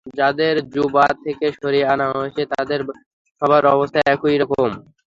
যাদের জুবা থেকে সরিয়ে আনা হয়েছে, তাদের সবার অবস্থা একই রকম।